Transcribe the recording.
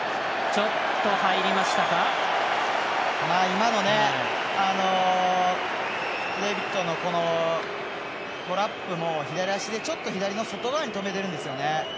今のデイビッドのトラップも左足でちょっと外側に止めてるんですよね。